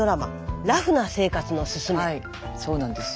はいそうなんですよ。